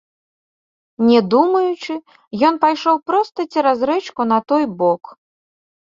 Не думаючы, ён пайшоў проста цераз рэчку на той бок.